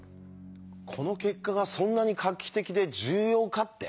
この結果がそんなに画期的で重要かって？